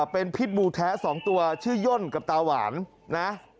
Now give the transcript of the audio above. เป็นพิษบูแท้๒ตัวชื่อย่นกับตาหวานนะ